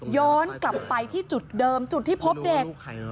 ย้อนกลับไปที่จุดเดิมจุดที่พบเด็ก